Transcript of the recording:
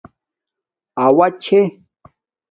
اوݳ چھݺ .